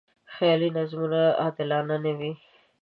خیالي نظمونه عادلانه نه و.